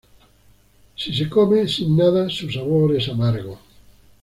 Si se come sin nada, su sabor es amargo.